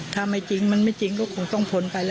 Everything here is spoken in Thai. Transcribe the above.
ถ้ามันไม่จริงไม่จริงก็คงต้องผ่นไปละ